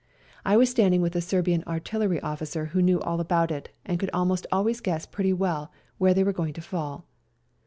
I was standing with a Serbian artillery officer who knew all about it and could almost always guess pretty well where they were going to fall.